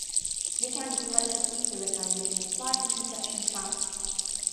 They can be collected easily by using flight interception traps.